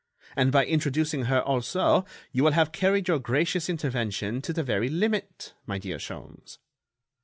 And by introducing her also, you will have carried your gracious intervention to the very limit, my dear Sholmes."